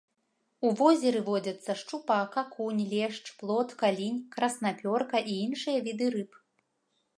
У возеры водзяцца шчупак, акунь, лешч, плотка, лінь, краснапёрка і іншыя віды рыб.